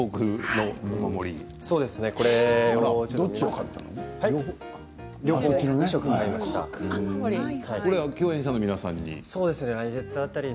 どっちを買ったの？